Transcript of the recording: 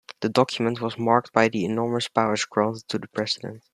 The document was marked by the enormous powers granted to the president.